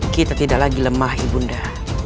kita tidak lagi lemah ibu anda